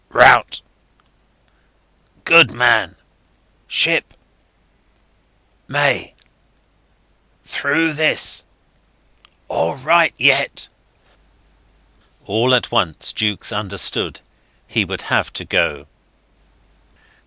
.... Rout ... Good man ... Ship ... may ... through this ... all right yet." All at once Jukes understood he would have to go.